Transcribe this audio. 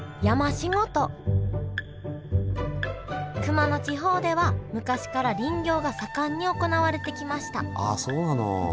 熊野地方では昔から林業が盛んに行われてきましたああそうなの。